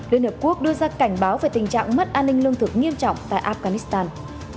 liên hợp quốc đưa ra cảnh báo về tình trạng mất an ninh lương thực nghiêm trọng tại afghanistan